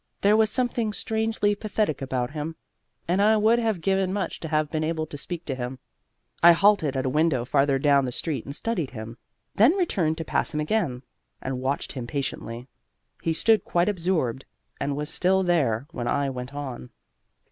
There was something strangely pathetic about him, and I would have given much to have been able to speak to him. I halted at a window farther down the street and studied him; then returned to pass him again, and watched him patiently. He stood quite absorbed, and was still there when I went on.